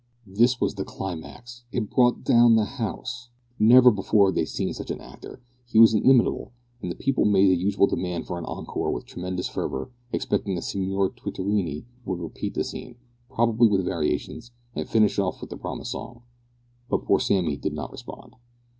This was the climax! It brought down the house! Never before had they seen such an actor. He was inimitable, and the people made the usual demand for an encore with tremendous fervour, expecting that Signor Twittorini would repeat the scene, probably with variations, and finish off with the promised song. But poor Sammy did not respond.